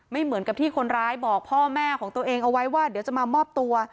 เหมือนกับที่คนร้ายบอกพ่อแม่ของตัวเองเอาไว้ว่าเดี๋ยวจะมามอบตัว